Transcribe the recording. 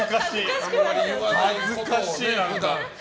恥ずかしい、何か。